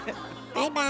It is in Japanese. バイバーイ。